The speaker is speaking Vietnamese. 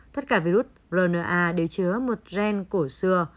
tất cả virus rna đều chứa một gen cổ xưa